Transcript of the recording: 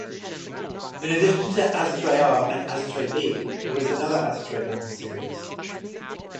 In addition to "Astray R" and "Astray B", there is another "Astray" manga series.